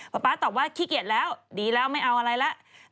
ป๊าตอบว่าขี้เกียจแล้วดีแล้วไม่เอาอะไรแล้ว